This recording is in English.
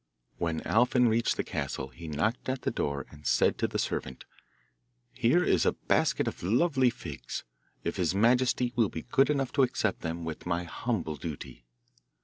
When Alfin reached the castle he knocked at the door and said to the servant: 'Here is a basket of lovely figs, if his majesty will be good enough to accept them with my humble duty.